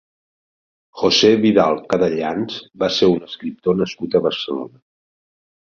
José Vidal Cadellans va ser un escriptor nascut a Barcelona.